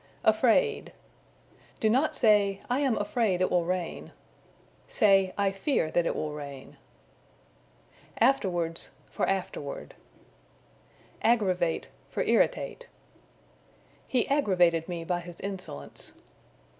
Afraid. Do not say, "I am afraid it will rain." Say, I fear that it will rain. Afterwards for Afterward. Aggravate for Irritate. "He aggravated me by his insolence."